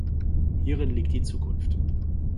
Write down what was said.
Hierin liegt die Zukunft.